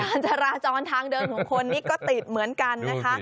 การจราจรทางเดินของคนนี้ก็ติดเหมือนกันนะคะ